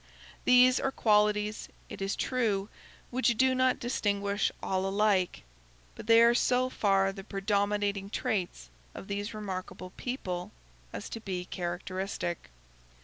These are qualities, it is true, which do not distinguish all alike; but they are so far the predominating traits of these remarkable people as to be characteristic.